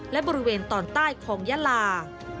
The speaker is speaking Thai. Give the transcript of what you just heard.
และบริเวณตอนใต้ของยาลา